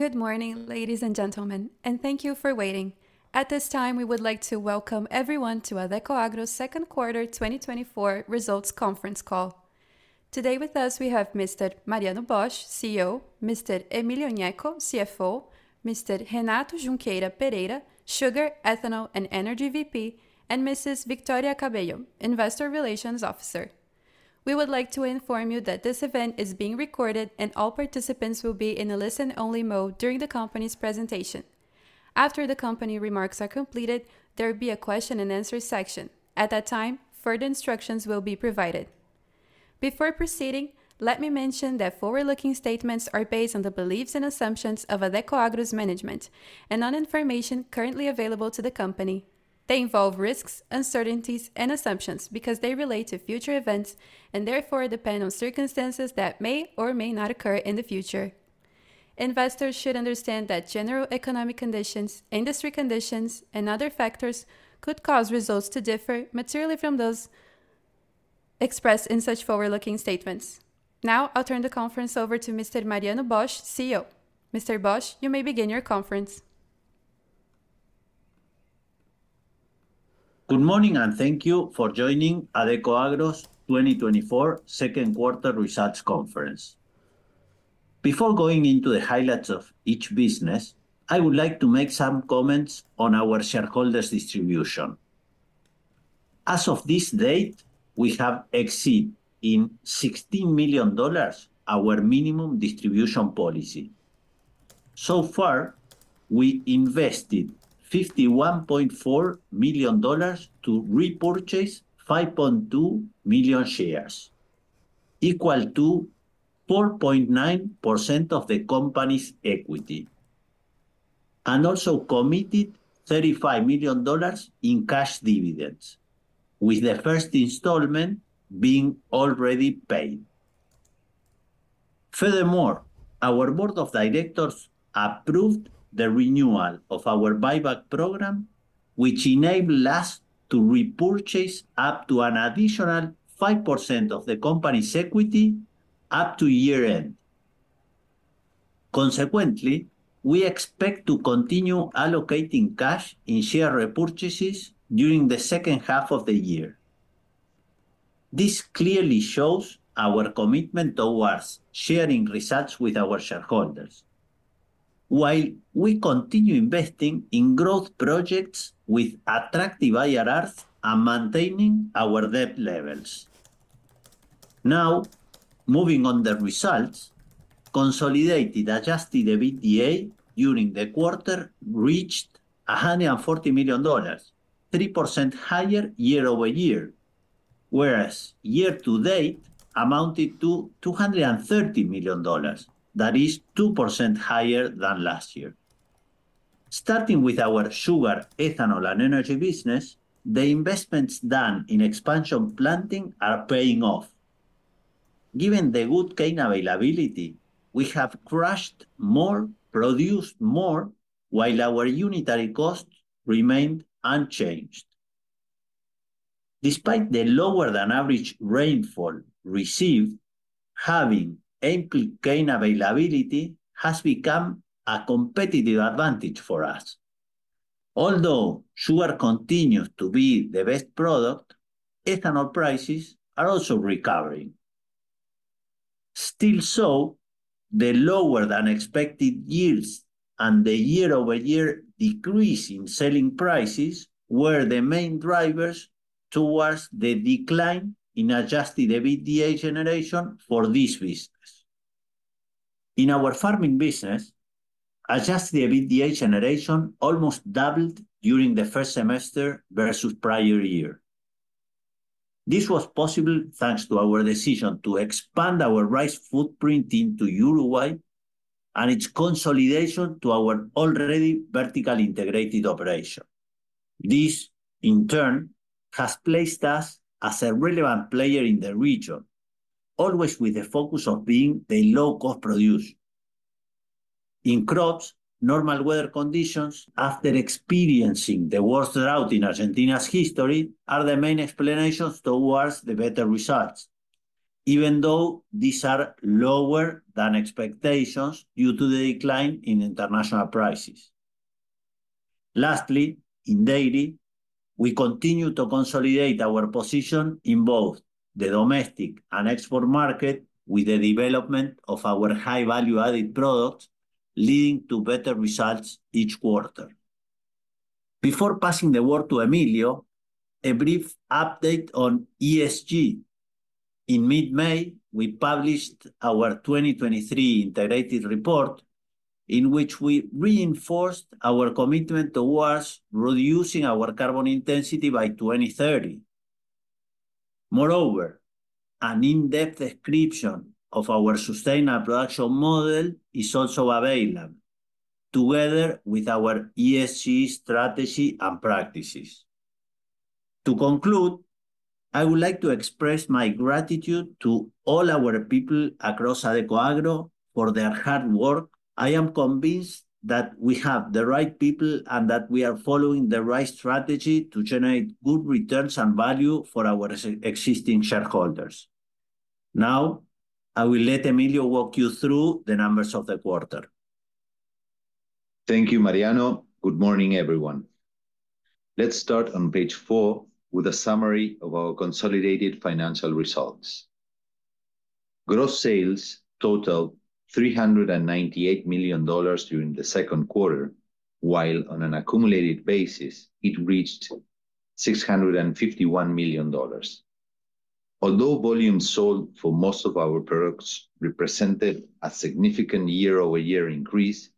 Good morning, ladies and gentlemen, and thank you for waiting. At this time, we would like to welcome everyone to Adecoagro's second quarter 2024 results conference call. Today with us, we have Mr. Mariano Bosch, CEO, Mr. Emilio Gnecco, CFO, Mr. Renato Junqueira Pereira, Sugar, Ethanol, and Energy VP, and Mrs. Vitoria Cabello, Investor Relations Officer. We would like to inform you that this event is being recorded, and all participants will be in a listen-only mode during the company's presentation. After the company remarks are completed, there will be a question and answer section. At that time, further instructions will be provided. Before proceeding, let me mention that forward-looking statements are based on the beliefs and assumptions of Adecoagro's management and on information currently available to the company. They involve risks, uncertainties, and assumptions because they relate to future events and therefore depend on circumstances that may or may not occur in the future. Investors should understand that general economic conditions, industry conditions, and other factors could cause results to differ materially from those expressed in such forward-looking statements. Now, I'll turn the conference over to Mr. Mariano Bosch, CEO. Mr. Bosch, you may begin your conference. Good morning, and thank you for joining Adecoagro's 2024 second quarter results conference. Before going into the highlights of each business, I would like to make some comments on our shareholders' distribution. As of this date, we have exceeded in $60 million our minimum distribution policy. So far, we invested $51.4 million to repurchase 5.2 million shares, equal to 4.9% of the company's equity, and also committed $35 million in cash dividends, with the first installment being already paid. Furthermore, our board of directors approved the renewal of our buyback program, which enabled us to repurchase up to an additional 5% of the company's equity up to year-end. Consequently, we expect to continue allocating cash in share repurchases during the second half of the year. This clearly shows our commitment towards sharing results with our shareholders, while we continue investing in growth projects with attractive IRRs and maintaining our debt levels. Now, moving on the results, consolidated Adjusted EBITDA during the quarter reached $140 million, 3% higher year-over-year, whereas year to date amounted to $230 million. That is 2% higher than last year. Starting with our sugar, ethanol, and energy business, the investments done in expansion planting are paying off. Given the good cane availability, we have crushed more, produced more, while our unitary costs remained unchanged. Despite the lower than average rainfall received, having ample cane availability has become a competitive advantage for us. Although sugar continues to be the best product, ethanol prices are also recovering. So, the lower than expected yields and the year-over-year decrease in selling prices were the main drivers towards the decline in Adjusted EBITDA generation for this business. In our farming business, Adjusted EBITDA generation almost doubled during the first semester versus prior year. This was possible thanks to our decision to expand our rice footprint into Uruguay and its consolidation to our already vertically integrated operation. This, in turn, has placed us as a relevant player in the region, always with the focus of being the low-cost producer. In crops, normal weather conditions, after experiencing the worst drought in Argentina's history, are the main explanations towards the better results, even though these are lower than expectations due to the decline in international prices. Lastly, in dairy, we continue to consolidate our position in both the domestic and export market with the development of our high-value added products, leading to better results each quarter. Before passing the word to Emilio, a brief update on ESG. In mid-May, we published our 2023 integrated report, in which we reinforced our commitment towards reducing our carbon intensity by 2030. Moreover, an in-depth description of our sustainable production model is also available, together with our ESG strategy and practices. To conclude, I would like to express my gratitude to all our people across Adecoagro for their hard work. I am convinced that we have the right people and that we are following the right strategy to generate good returns and value for our existing shareholders.... Now, I will let Emilio walk you through the numbers of the quarter. Thank you, Mariano. Good morning, everyone. Let's start on page 4 with a summary of our consolidated financial results. Gross sales totaled $398 million during the second quarter, while on an accumulated basis, it reached $651 million. Although volume sold for most of our products represented a significant year-over-year increase,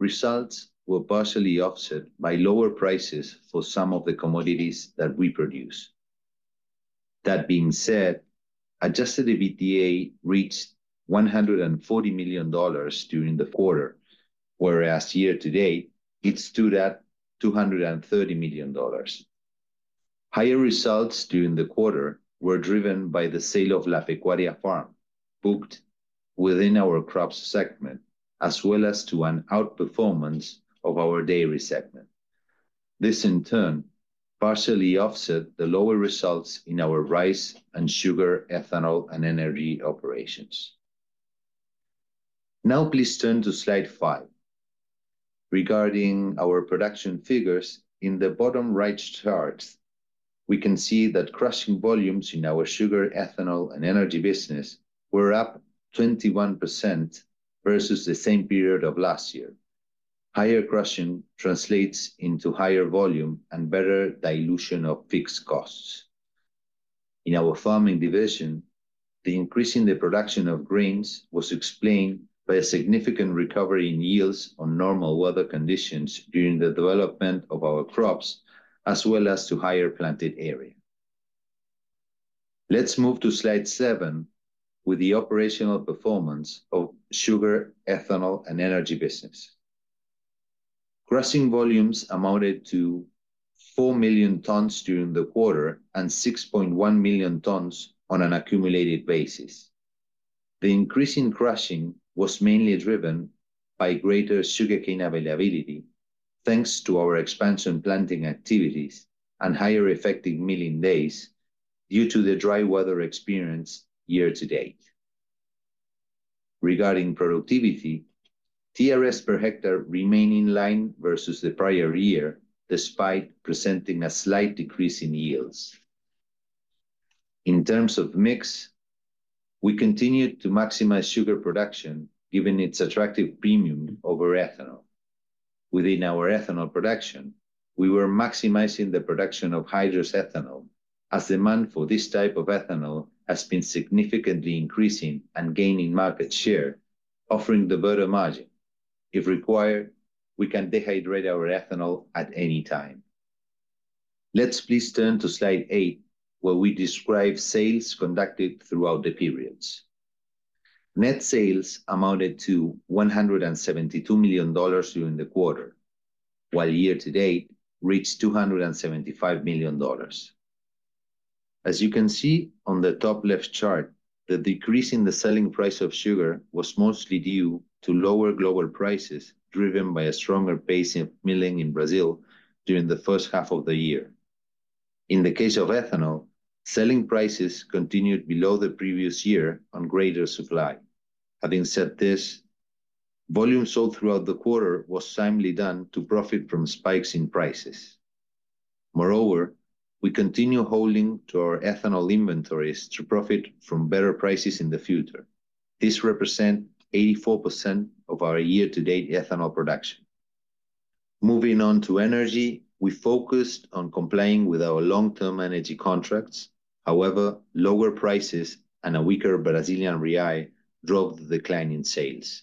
results were partially offset by lower prices for some of the commodities that we produce. That being said, Adjusted EBITDA reached $140 million during the quarter, whereas year to date, it stood at $230 million. Higher results during the quarter were driven by the sale of La Pecuaria farm, booked within our crops segment, as well as to an outperformance of our dairy segment. This, in turn, partially offset the lower results in our rice and sugar, ethanol, and energy operations. Now, please turn to slide 5. Regarding our production figures, in the bottom right chart, we can see that crushing volumes in our sugar, ethanol, and energy business were up 21% versus the same period of last year. Higher crushing translates into higher volume and better dilution of fixed costs. In our farming division, the increase in the production of grains was explained by a significant recovery in yields on normal weather conditions during the development of our crops, as well as to higher planted area. Let's move to slide 7 with the operational performance of sugar, ethanol, and energy business. Crushing volumes amounted to 4 million tons during the quarter, and 6.1 million tons on an accumulated basis. The increase in crushing was mainly driven by greater sugarcane availability, thanks to our expansion planting activities and higher effective milling days due to the dry weather experienced year to date. Regarding productivity, TRS per hectare remain in line versus the prior year, despite presenting a slight decrease in yields. In terms of mix, we continued to maximize sugar production, given its attractive premium over ethanol. Within our ethanol production, we were maximizing the production of hydrous ethanol, as demand for this type of ethanol has been significantly increasing and gaining market share, offering the better margin. If required, we can dehydrate our ethanol at any time. Let's please turn to slide 8, where we describe sales conducted throughout the periods. Net sales amounted to $172 million during the quarter, while year to date reached $275 million. As you can see on the top left chart, the decrease in the selling price of sugar was mostly due to lower global prices, driven by a stronger pace of milling in Brazil during the first half of the year. In the case of ethanol, selling prices continued below the previous year on greater supply. Having said this, volume sold throughout the quarter was timely done to profit from spikes in prices. Moreover, we continue holding to our ethanol inventories to profit from better prices in the future. This represent 84% of our year-to-date ethanol production. Moving on to energy, we focused on complying with our long-term energy contracts. However, lower prices and a weaker Brazilian real drove the decline in sales.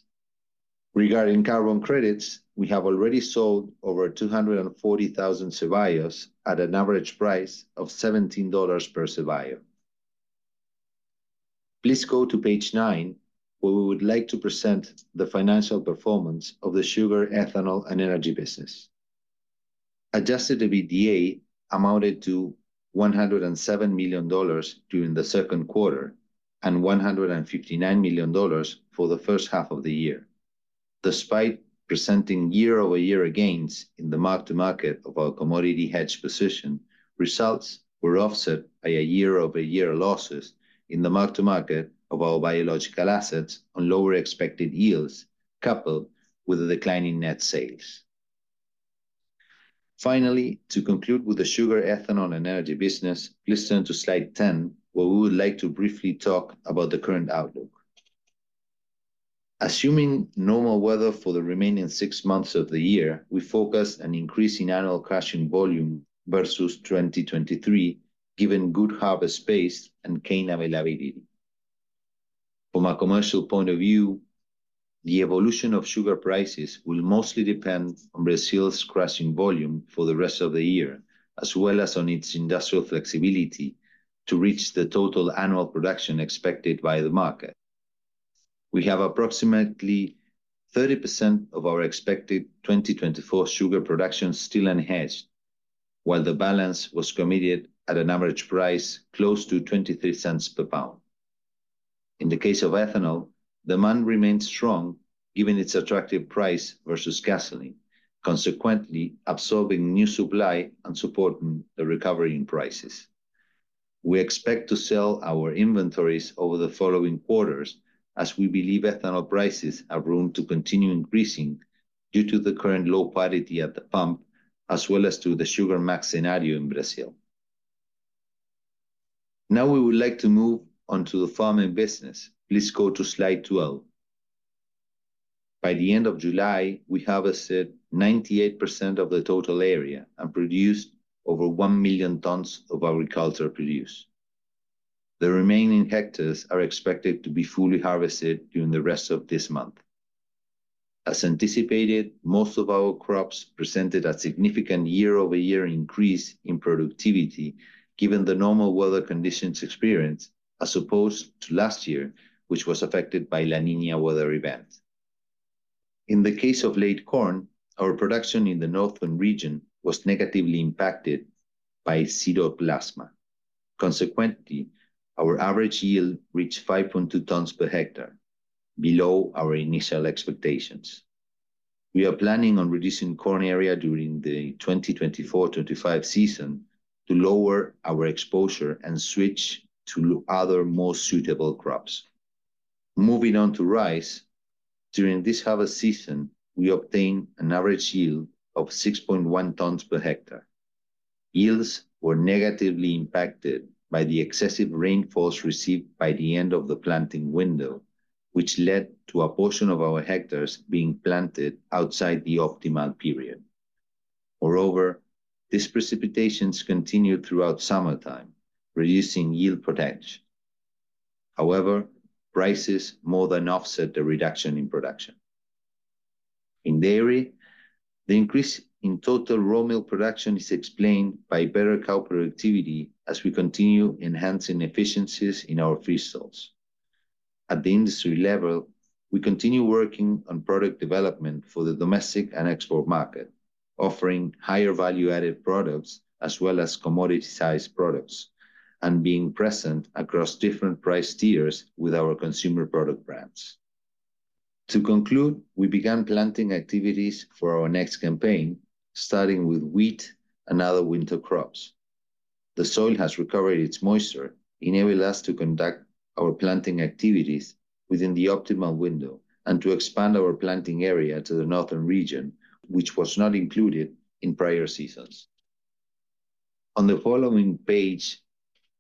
Regarding carbon credits, we have already sold over 240,000 CBios at an average price of $17 per CBio. Please go to page nine, where we would like to present the financial performance of the sugar, ethanol, and energy business. Adjusted EBITDA amounted to $107 million during the second quarter, and $159 million for the first half of the year. Despite presenting year-over-year gains in the mark-to-market of our commodity hedge position, results were offset by a year-over-year losses in the mark-to-market of our biological assets on lower expected yields, coupled with a decline in net sales. Finally, to conclude with the sugar, ethanol, and energy business, please turn to slide ten, where we would like to briefly talk about the current outlook. Assuming normal weather for the remaining six months of the year, we forecast an increase in annual crushing volume versus 2023, given good harvest pace and cane availability. From a commercial point of view, the evolution of sugar prices will mostly depend on Brazil's crushing volume for the rest of the year, as well as on its industrial flexibility to reach the total annual production expected by the market. We have approximately 30% of our expected 2024 sugar production still unhedged, while the balance was committed at an average price close to $0.23 per pound. In the case of ethanol, demand remains strong, given its attractive price versus gasoline, consequently absorbing new supply and supporting the recovery in prices. We expect to sell our inventories over the following quarters, as we believe ethanol prices have room to continue increasing due to the current low parity at the pump, as well as to the Max Sugar scenario in Brazil. Now we would like to move on to the farming business. Please go to slide 12. By the end of July, we harvested 98% of the total area and produced over 1 million tons of agriculture produce. The remaining hectares are expected to be fully harvested during the rest of this month. As anticipated, most of our crops presented a significant year-over-year increase in productivity, given the normal weather conditions experienced, as opposed to last year, which was affected by La Niña weather event. In the case of late corn, our production in the northern region was negatively impacted by Spiroplasma. Consequently, our average yield reached 5.2 tons per hectare, below our initial expectations. We are planning on reducing corn area during the 2024/2025 season to lower our exposure and switch to other more suitable crops. Moving on to rice. During this harvest season, we obtained an average yield of 6.1 tons per hectare. Yields were negatively impacted by the excessive rainfalls received by the end of the planting window, which led to a portion of our hectares being planted outside the optimal period. Moreover, these precipitations continued throughout summertime, reducing yield potential. However, prices more than offset the reduction in production. In dairy, the increase in total raw milk production is explained by better cow productivity as we continue enhancing efficiencies in our free stalls. At the industry level, we continue working on product development for the domestic and export market, offering higher value-added products as well as commodity-sized products, and being present across different price tiers with our consumer product brands. To conclude, we began planting activities for our next campaign, starting with wheat and other winter crops. The soil has recovered its moisture, enabling us to conduct our planting activities within the optimal window and to expand our planting area to the northern region, which was not included in prior seasons. On the following page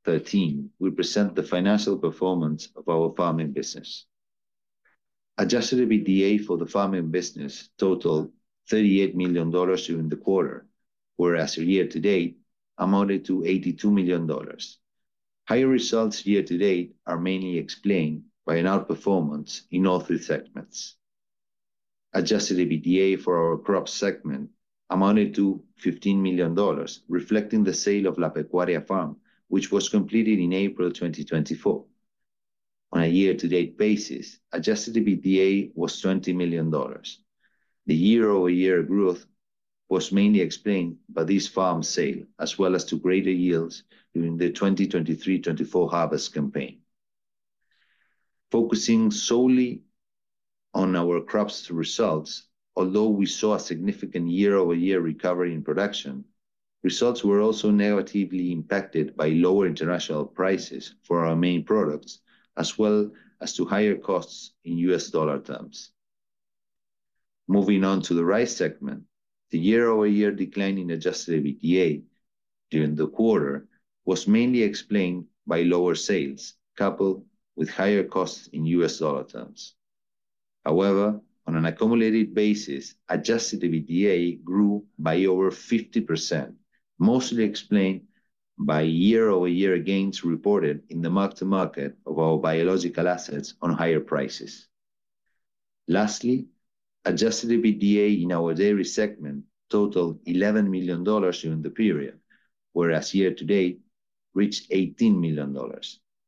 13, we present the financial performance of our farming business. Adjusted EBITDA for the farming business totaled $38 million during the quarter, whereas year-to-date amounted to $82 million. Higher results year-to-date are mainly explained by an outperformance in all three segments. Adjusted EBITDA for our crops segment amounted to $15 million, reflecting the sale of La Pecuaria farm, which was completed in April 2024. On a year-to-date basis, adjusted EBITDA was $20 million. The year-over-year growth was mainly explained by this farm sale, as well as to greater yields during the 2023/2024 harvest campaign. Focusing solely on our crops results, although we saw a significant year-over-year recovery in production, results were also negatively impacted by lower international prices for our main products, as well as to higher costs in U.S. dollar terms. Moving on to the rice segment, the year-over-year decline in adjusted EBITDA during the quarter was mainly explained by lower sales, coupled with higher costs in U.S. dollar terms. However, on an accumulated basis, adjusted EBITDA grew by over 50%, mostly explained by year-over-year gains reported in the mark-to-market of our biological assets on higher prices. Lastly, adjusted EBITDA in our dairy segment totaled $11 million during the period, whereas year-to-date reached $18 million.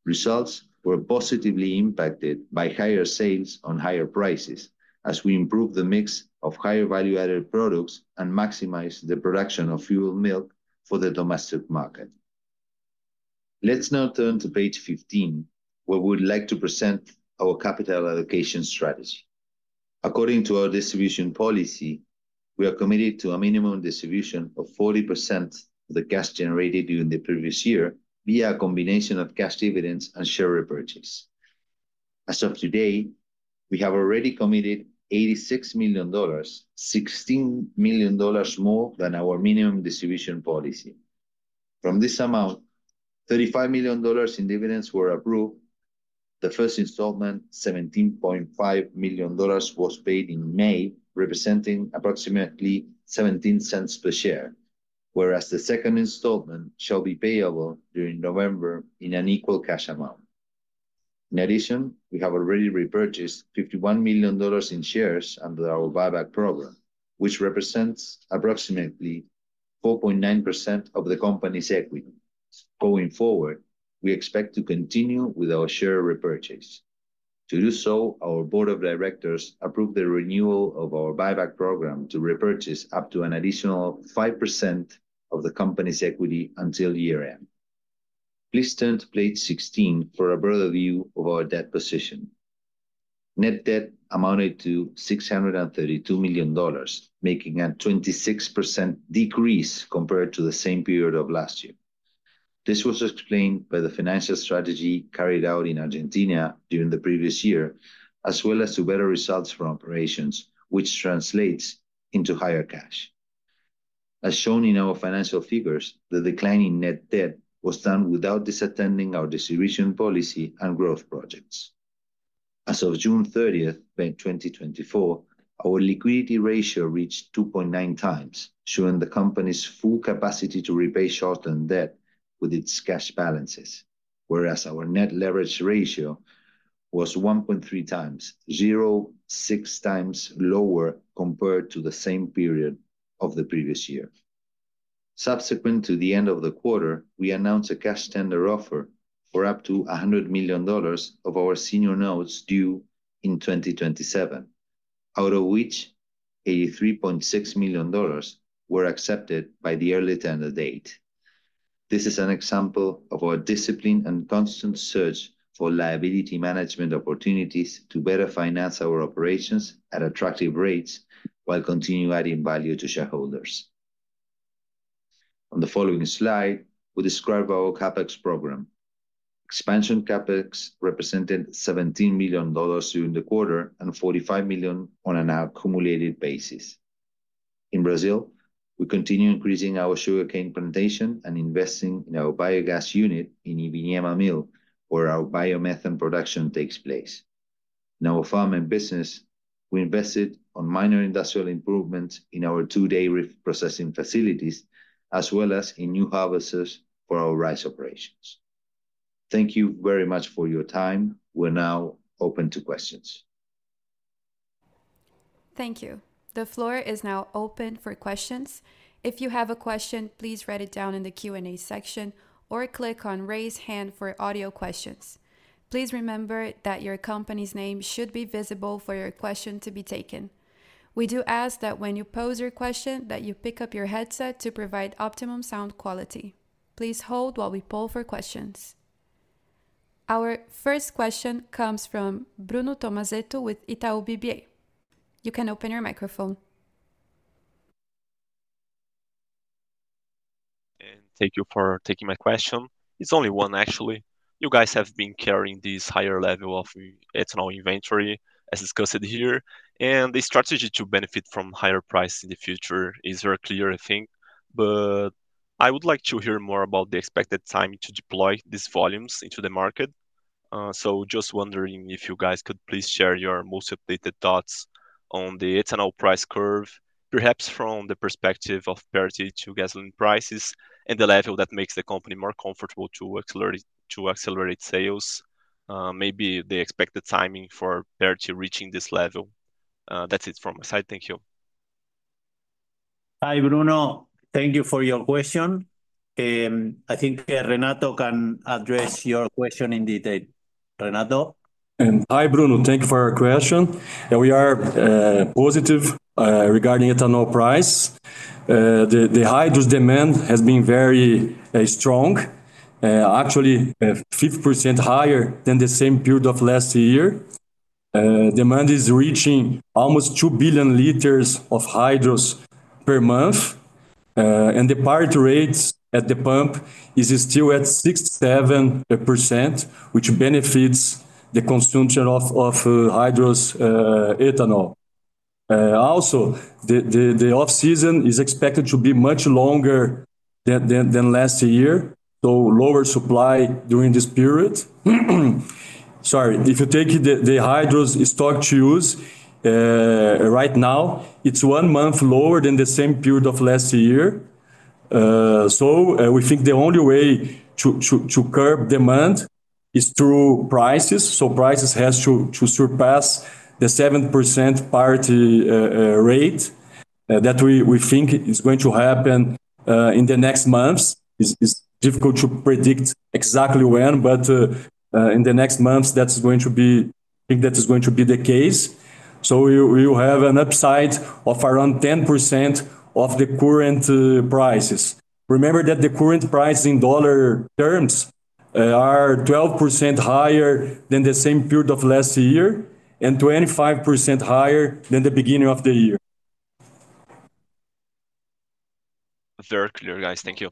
Results were positively impacted by higher sales on higher prices as we improve the mix of higher value-added products and maximize the production of fluid milk for the domestic market. Let's now turn to page 15, where we would like to present our capital allocation strategy. According to our distribution policy, we are committed to a minimum distribution of 40% of the cash generated during the previous year via a combination of cash dividends and share repurchase. As of today, we have already committed $86 million, $16 million more than our minimum distribution policy. From this amount, $35 million in dividends were approved. The first installment, $17.5 million, was paid in May, representing approximately $0.17 per share, whereas the second installment shall be payable during November in an equal cash amount. In addition, we have already repurchased $51 million in shares under our buyback program, which represents approximately 4.9% of the company's equity. Going forward, we expect to continue with our share repurchase. To do so, our board of directors approved the renewal of our buyback program to repurchase up to an additional 5% of the company's equity until year-end. Please turn to page 16 for a broader view of our debt position. Net debt amounted to $632 million, making a 26% decrease compared to the same period of last year. This was explained by the financial strategy carried out in Argentina during the previous year, as well as the better results from operations, which translates into higher cash. As shown in our financial figures, the decline in net debt was done without disattending our distribution policy and growth projects. As of June 30, 2024, our liquidity ratio reached 2.9 times, showing the company's full capacity to repay short-term debt with its cash balances, whereas our net leverage ratio was 1.3 times, 0.6 times lower compared to the same period of the previous year. Subsequent to the end of the quarter, we announced a cash tender offer for up to $100 million of our senior notes due in 2027, out of which $83.6 million were accepted by the early tender date. This is an example of our discipline and constant search for liability management opportunities to better finance our operations at attractive rates, while continuing adding value to shareholders. On the following slide, we describe our CapEx program. Expansion CapEx represented $17 million during the quarter, and $45 million on an accumulated basis. In Brazil, we continue increasing our sugarcane plantation and investing in our biogas unit in Ivinhema Mill, where our biomethane production takes place. In our farming business, we invested in minor industrial improvements in our two dairy processing facilities, as well as in new harvesters for our rice operations. Thank you very much for your time. We're now open to questions. Thank you. The floor is now open for questions. If you have a question, please write it down in the Q&A section, or click on Raise Hand for audio questions. Please remember that your company's name should be visible for your question to be taken. We do ask that when you pose your question, that you pick up your headset to provide optimum sound quality. Please hold while we poll for questions. Our first question comes from Bruno Tomazetto with Itaú BBA. You can open your microphone. Thank you for taking my question. It's only one, actually. You guys have been carrying this higher level of ethanol inventory, as discussed here, and the strategy to benefit from higher price in the future is very clear, I think. But I would like to hear more about the expected timing to deploy these volumes into the market. So just wondering if you guys could please share your most updated thoughts on the ethanol price curve, perhaps from the perspective of parity to gasoline prices and the level that makes the company more comfortable to accelerate, to accelerate sales, maybe the expected timing for parity reaching this level. That's it from my side. Thank you. Hi, Bruno. Thank you for your question. I think Renato can address your question in detail. Renato? Hi, Bruno. Thank you for your question. Yeah, we are positive regarding ethanol price. The high demand has been very strong. Actually, 50% higher than the same period of last year. Demand is reaching almost 2 billion liters of hydrous per month, and the parity rate at the pump is still at 67%, which benefits the consumption of hydrous ethanol. Also, the off-season is expected to be much longer than last year, so lower supply during this period. Sorry. If you take the hydrous stock to use right now, it's one month lower than the same period of last year. So, we think the only way to curb demand is through prices. So prices has to surpass the 7% parity rate. That we, we think is going to happen in the next months. It's difficult to predict exactly when, but in the next months, that's going to be... I think that is going to be the case. So you have an upside of around 10% of the current prices. Remember that the current price in dollar terms are 12% higher than the same period of last year, and 25% higher than the beginning of the year. Very clear, guys. Thank you.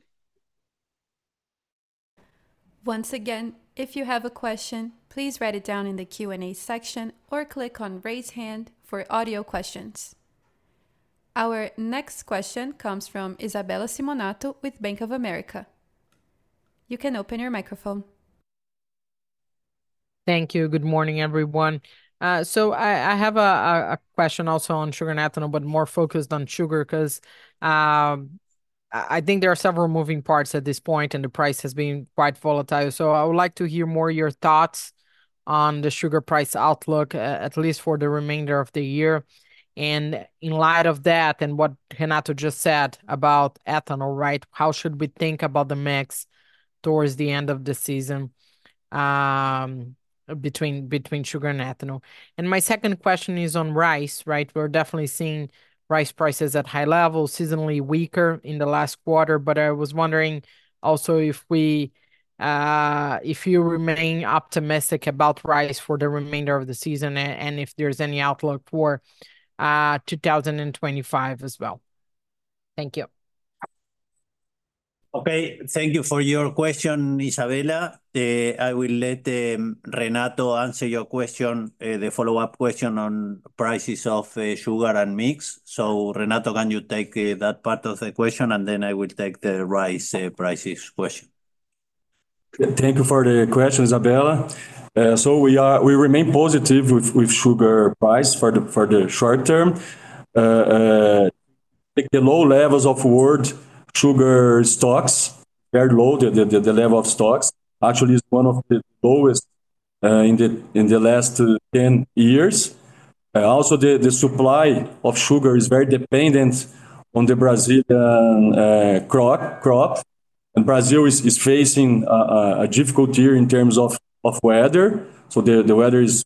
Once again, if you have a question, please write it down in the Q&A section, or click on Raise Hand for audio questions. Our next question comes from Isabella Simonato with Bank of America. You can open your microphone. Thank you. Good morning, everyone. So I have a question also on sugar and ethanol, but more focused on sugar, 'cause I think there are several moving parts at this point, and the price has been quite volatile. So I would like to hear more of your thoughts on the sugar price outlook, at least for the remainder of the year. And in light of that, and what Renato just said about ethanol, right, how should we think about the mix towards the end of the season? Between sugar and ethanol. And my second question is on rice, right? We're definitely seeing rice prices at high levels, seasonally weaker in the last quarter, but I was wondering also if we, if you remain optimistic about rice for the remainder of the season, and if there's any outlook for 2025 as well? Thank you. Okay, thank you for your question, Isabella. I will let Renato answer your question, the follow-up question on prices of sugar and mix. So, Renato, can you take that part of the question, and then I will take the rice prices question? Thank you for the question, Isabella. So we remain positive with sugar price for the short term. The low levels of world sugar stocks, very low, the level of stocks actually is one of the lowest in the last 10 years. Also, the supply of sugar is very dependent on the Brazilian crop, and Brazil is facing a difficult year in terms of weather. So the weather is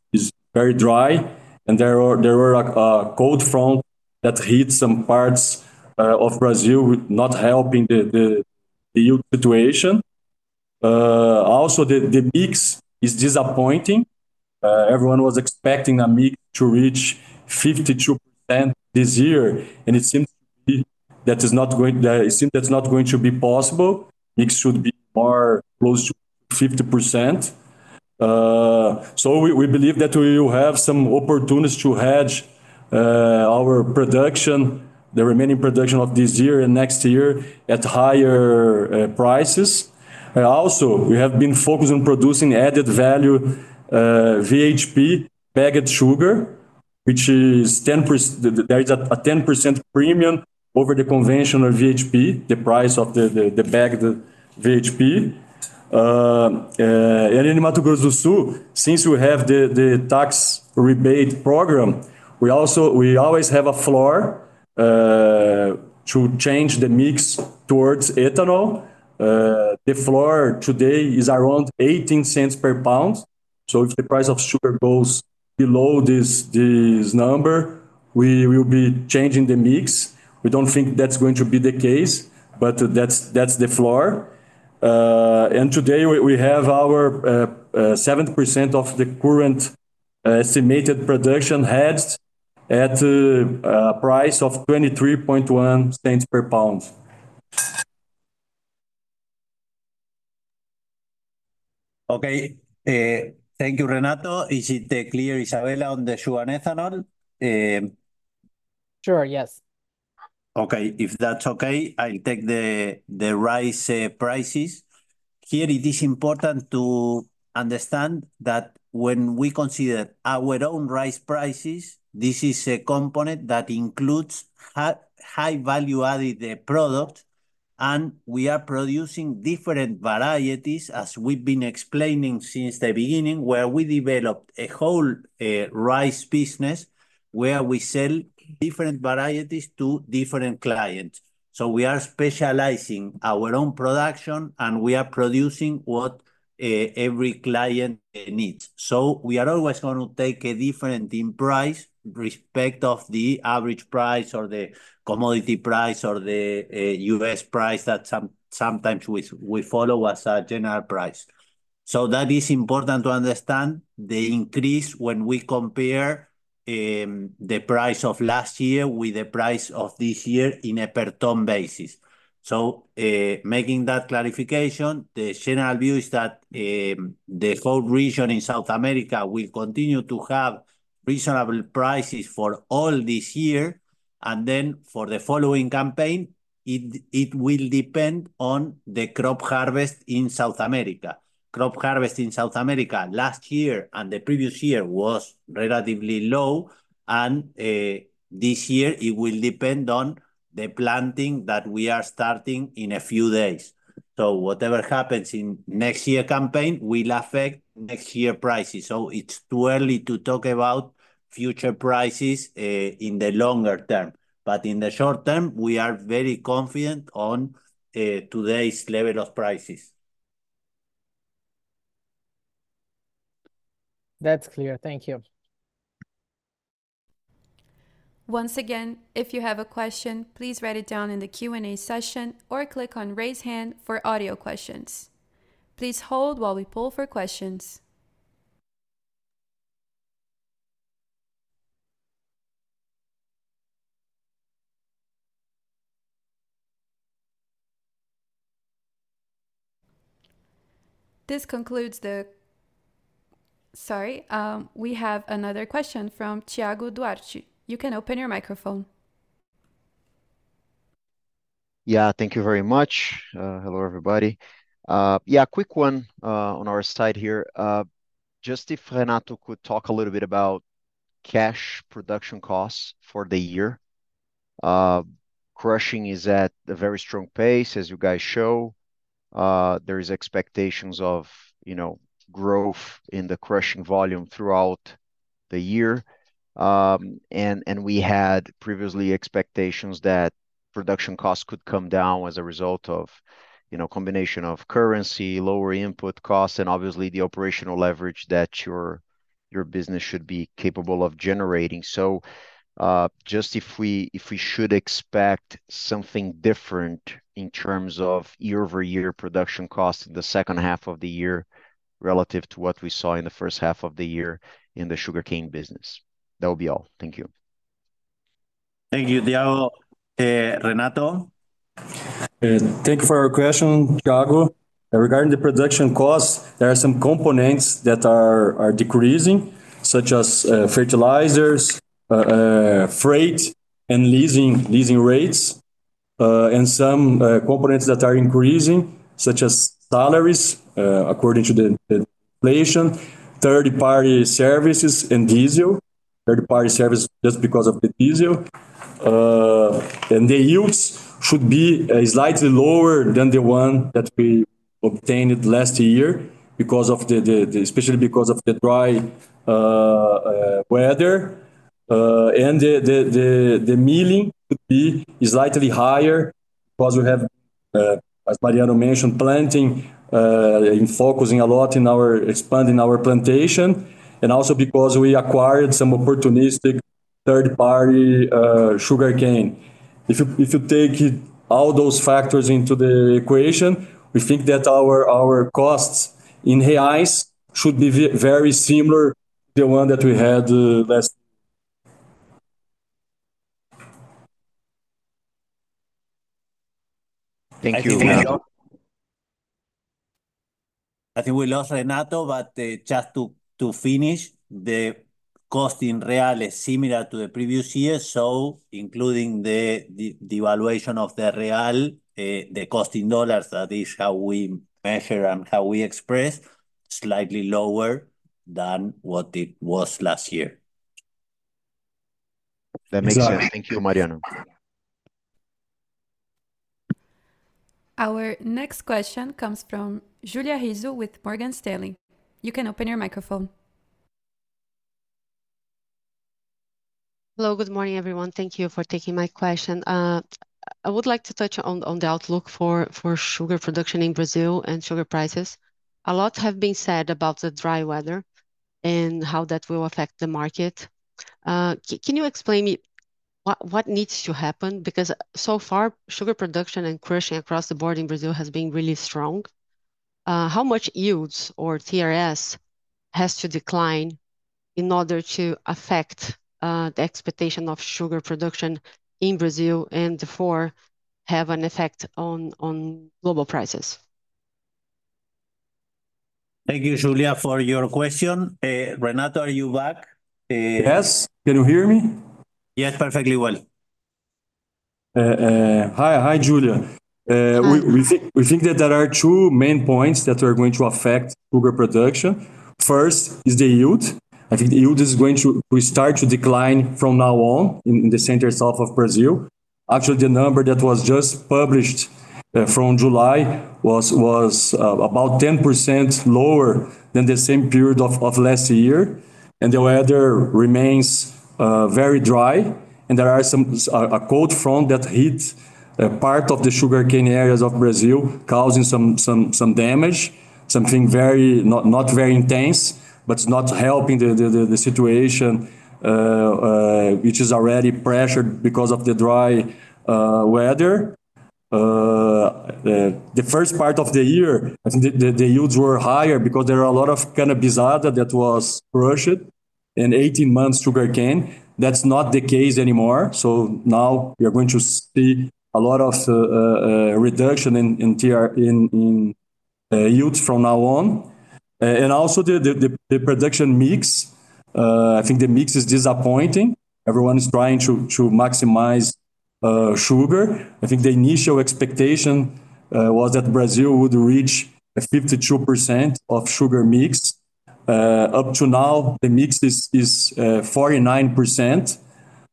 very dry, and there were a cold front that hit some parts of Brazil, with not helping the yield situation. Also, the mix is disappointing. Everyone was expecting a mix to reach 52% this year, and it seems that is not going to be possible. Mix should be more close to 50%. So we believe that we will have some opportunities to hedge our production, the remaining production of this year and next year, at higher prices. And also, we have been focused on producing added value VHP bagged sugar, which is 10%. There is a 10% premium over the conventional VHP, the price of the bagged VHP. And in Mato Grosso do Sul, since we have the tax rebate program, we also always have a floor to change the mix towards ethanol. The floor today is around $0.18 per pound, so if the price of sugar goes below this, this number, we will be changing the mix. We don't think that's going to be the case, but that's the floor. And today, we have our 7% of the current estimated production hedged at a price of $0.231 per pound. Okay. Thank you, Renato. Is it clear, Isabella, on the sugar and ethanol? Sure, yes. Okay, if that's okay, I take the rice prices. Here, it is important to understand that when we consider our own rice prices, this is a component that includes high value-added product, and we are producing different varieties, as we've been explaining since the beginning, where we developed a whole rice business, where we sell different varieties to different clients. So we are specializing our own production, and we are producing what every client needs. So we are always going to take a different price, respect of the average price or the commodity price or the U.S. price that sometimes we follow as a general price. So that is important to understand the increase when we compare the price of last year with the price of this year in a per ton basis. So, making that clarification, the general view is that the whole region in South America will continue to have reasonable prices for all this year, and then for the following campaign, it will depend on the crop harvest in South America. Crop harvest in South America last year and the previous year was relatively low, and this year it will depend on the planting that we are starting in a few days. So whatever happens in next year campaign will affect next year prices, so it's too early to talk about future prices in the longer term. But in the short term, we are very confident on today's level of prices. That's clear. Thank you. Once again, if you have a question, please write it down in the Q&A session or click on Raise Hand for audio questions. Please hold while we poll for questions. This concludes the... Sorry, we have another question from Thiago Duarte. You can open your microphone. Yeah. Thank you very much. Hello, everybody. Yeah, a quick one on our side here. Just if Renato could talk a little bit about cash production costs for the year. Crushing is at the very strong pace, as you guys show. There is expectations of, you know, growth in the crushing volume throughout the year. And we had previously expectations that production costs could come down as a result of, you know, combination of currency, lower input costs, and obviously, the operational leverage that your business should be capable of generating. So, just if we should expect something different in terms of year-over-year production costs in the second half of the year, relative to what we saw in the first half of the year in the sugarcane business? That would be all. Thank you. Thank you, Thiago. Renato? Thank you for your question, Thiago. Regarding the production costs, there are some components that are decreasing, such as fertilizers, freight, and leasing rates. And some components that are increasing, such as salaries according to the inflation, third-party services and diesel. Third-party service just because of the diesel. And the yields should be slightly lower than the one that we obtained last year because of the-- especially because of the dry weather. And the milling could be slightly higher because we have, as Mariano mentioned, planting and focusing a lot in our expanding our plantation, and also because we acquired some opportunistic third-party sugarcane. If you take it, all those factors into the equation, we think that our costs in reais should be very similar to the one that we had last... Thank you, Renato. I think we lost Renato, but just to finish, the cost in real is similar to the previous year, so including the evaluation of the real, the cost in dollars, that is how we measure and how we express, slightly lower than what it was last year. That makes sense. Exactly. Thank you, Mariano. Our next question comes from Julia Rizzo with Morgan Stanley. You can open your microphone. Hello, good morning, everyone. Thank you for taking my question. I would like to touch on the outlook for sugar production in Brazil and sugar prices. A lot have been said about the dry weather and how that will affect the market. Can you explain me what needs to happen? Because so far, sugar production and crushing across the board in Brazil has been really strong. How much yields or TRS has to decline in order to affect the expectation of sugar production in Brazil, and therefore, have an effect on global prices? Thank you, Julia, for your question. Renato, are you back? Yes. Can you hear me? Yes, perfectly well. Hi. Hi, Julia. Hi. We think that there are two main points that are going to affect sugar production. First is the yield. I think the yield is going to start to decline from now on in the center-south of Brazil. Actually, the number that was just published from July was about 10% lower than the same period of last year, and the weather remains very dry, and there was a cold front that hit part of the sugarcane areas of Brazil, causing some damage. Something very not very intense, but it's not helping the situation, which is already pressured because of the dry weather. The first part of the year, I think the yields were higher because there are a lot of cana-de-açúcar that was crushed, and 18-month sugarcane, that's not the case anymore. So now we are going to see a lot of reduction in TRS yields from now on. And also the production mix. I think the mix is disappointing. Everyone is trying to maximize sugar. I think the initial expectation was that Brazil would reach a 52% sugar mix. Up to now, the mix is 49%.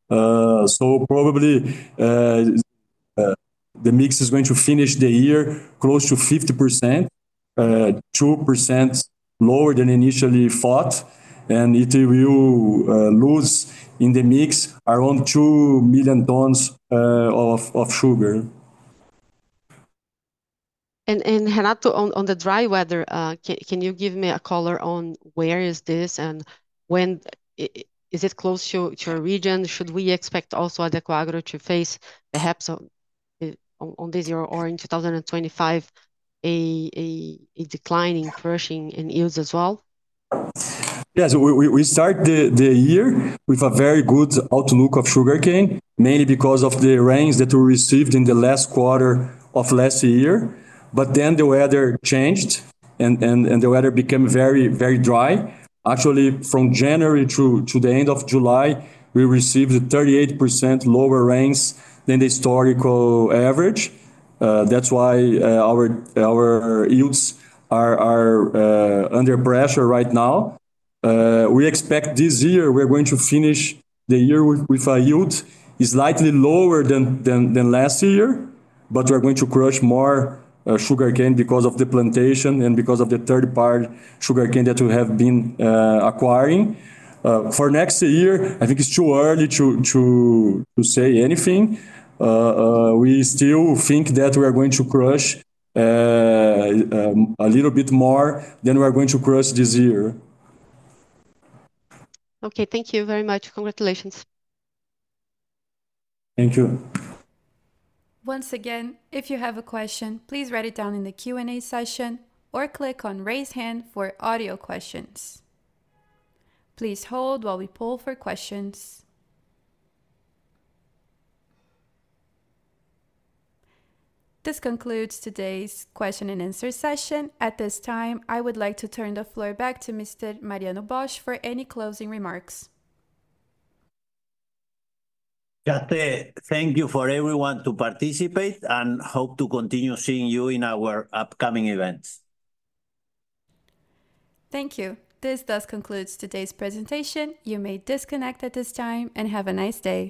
So probably the mix is going to finish the year close to 50%, 2% lower than initially thought, and it will lose in the mix around 2 million tons of sugar. Renato, on the dry weather, can you give me a color on where this is, and when... Is it close to a region? Should we expect Adecoagro to face perhaps this year or in 2025, a decline in crushing and yields as well? Yes, we start the year with a very good outlook of sugarcane, mainly because of the rains that we received in the last quarter of last year. But then the weather changed, and the weather became very dry. Actually, from January through to the end of July, we received 38% lower rains than the historical average. That's why our yields are under pressure right now. We expect this year we're going to finish the year with a yield slightly lower than last year, but we are going to crush more sugarcane because of the plantation and because of the third-party sugarcane that we have been acquiring. For next year, I think it's too early to say anything. We still think that we are going to crush a little bit more than we are going to crush this year. Okay, thank you very much. Congratulations. Thank you. Once again, if you have a question, please write it down in the Q&A session or click on Raise Hand for audio questions. Please hold while we poll for questions. This concludes today's question and answer session. At this time, I would like to turn the floor back to Mr. Mariano Bosch for any closing remarks. Just, thank you for everyone to participate, and hope to continue seeing you in our upcoming events. Thank you. This thus concludes today's presentation. You may disconnect at this time, and have a nice day.